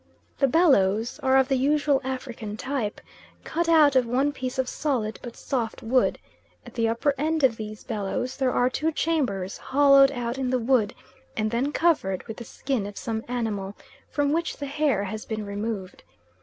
The bellows are of the usual African type, cut out of one piece of solid but soft wood; at the upper end of these bellows there are two chambers hollowed out in the wood and then covered with the skin of some animal, from which the hair has been removed.